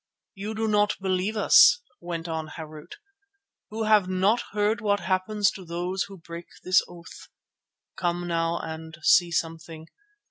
"You do not believe us," went on Harût, "who have not heard what happens to those who break this oath. Come now and see something.